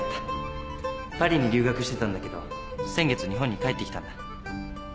パリに留学してたんだけど先月日本に帰ってきたんだ。